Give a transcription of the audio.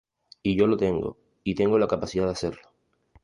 Y yo lo tengo, y tengo la capacidad de hacerlo.